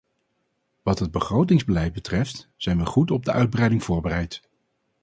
Wat het begrotingsbeleid betreft, zijn we goed op de uitbreiding voorbereid.